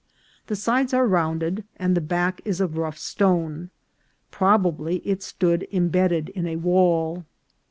The sides are rounded, and the back is of rough stone. Probably it stood imbedded in a wall.